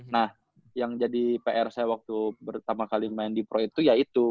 nah yang jadi pr saya waktu pertama kali main di pro itu ya itu